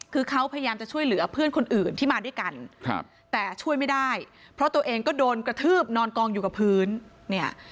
คือเขาพยายามจะช่วยเหลือเพื่อนคนอื่นที่มาด้วยกันครับแต่ช่วยไม่ได้เพราะตัวเองก็โดนกระทืบนอนกองอยู่กับพื้นเนี่ย